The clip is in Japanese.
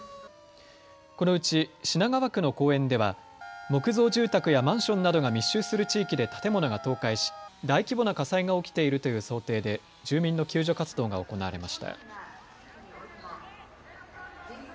このうち品川区の公園では木造住宅やマンションなどが密集する地域で建物が倒壊し大規模な火災が起きているという想定で住民の救助活動が行われました。